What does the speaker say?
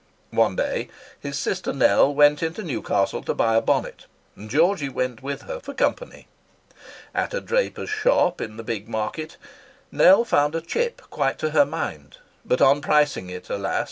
One day his sister Nell went into Newcastle to buy a bonnet; and Geordie went with her "for company." At a draper's shop in the Bigg Market, Nell found a "chip" quite to her mind, but on pricing it, alas!